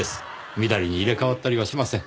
みだりに入れ替わったりはしません。